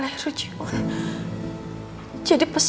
si putri cantik